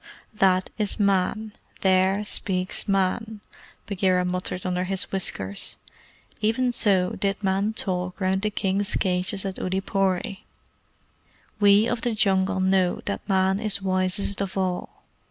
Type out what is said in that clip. "That is Man! There speaks Man!" Bagheera muttered under his whiskers. "Even so did men talk round the King's cages at Oodeypore. We of the Jungle know that Man is wisest of all.